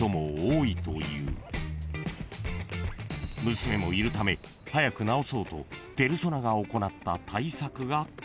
［娘もいるため早く治そうとペルソナが行った対策がこちら］